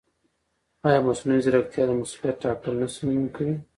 ایا مصنوعي ځیرکتیا د مسؤلیت ټاکل نه ستونزمن کوي؟